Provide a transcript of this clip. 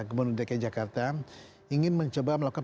gubernur dki jakarta ingin mencoba melakukan